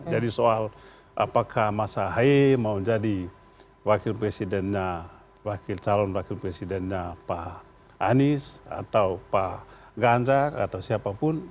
jadi soal apakah mas haye mau jadi wakil presidennya wakil calon wakil presidennya pak anies atau pak ganjar atau siapapun